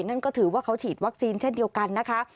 นั่นก็ถือว่าเขาฉีดวัคซีนเช่นเดียวกันนะคะ